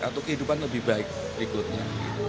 atau kehidupan lebih baik berikutnya